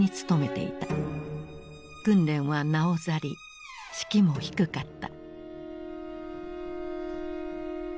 訓練はなおざり士気も低かった。